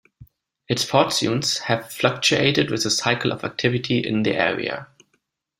Its fortunes have fluctuated with the cycles of activity in the area.